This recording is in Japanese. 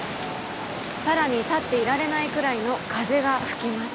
更に立っていられないくらいの風が吹きます。